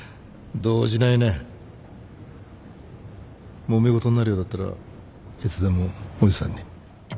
もめ事になるようだったらいつでもおじさんに。